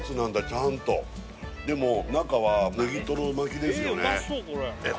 ちゃんとでも中はネギトロ巻きですよねえっ